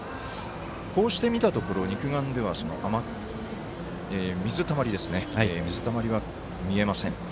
こうして見たところ肉眼では水たまりは見えません。